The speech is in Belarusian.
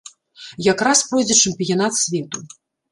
Якраз пройдзе чэмпіянат свету.